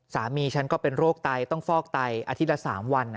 สามีฉันก็เป็นโรคไตต้องฟอกไตอาทิตย์ละ๓วัน